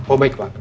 oh baik pak